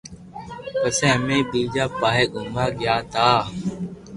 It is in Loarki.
پسي امي ٻيجا پاھي گوموا گيا تا